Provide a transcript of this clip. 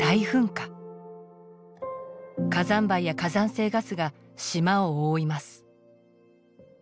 火山灰や火山性ガスが島を覆います。